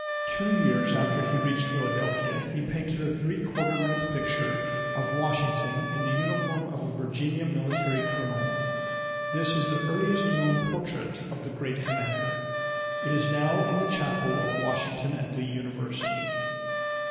Two years after he reached Philadelphia he painted a three quarter length picture of Washington in the uniform of a Virginian military colonel. This is the earliest known portrait of the great commander. It is now in the chapel of Washington and Lee University.